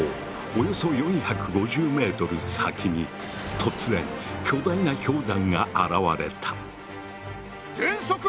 およそ４５０ｍ先に突然巨大な氷山が現れた。